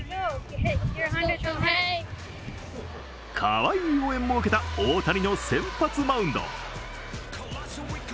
かわいい応援も受けた大谷の先発マウンド。